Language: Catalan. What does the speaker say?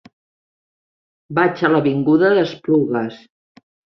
Vaig a l'avinguda d'Esplugues.